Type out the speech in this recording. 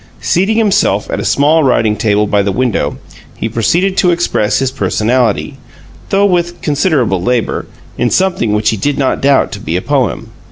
Seating himself at a small writing table by the window, he proceeded to express his personality though with considerable labor in something which he did not doubt to be a poem.